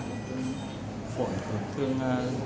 phổi tổn thương